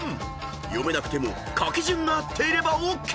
［読めなくても書き順が合っていればＯＫ！］